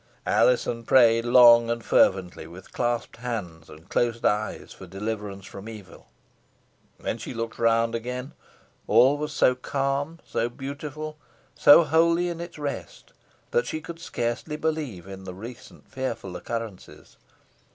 Alizon prayed long and fervently, with clasped hands and closed eyes, for deliverance from evil. When she looked round again, all was so calm, so beautiful, so holy in its rest, that she could scarcely believe in the recent fearful occurrences.